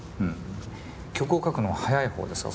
曲を書くのは早い方ですか？